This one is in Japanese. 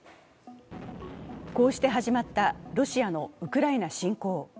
こうして始まったロシアのウクライナ侵攻。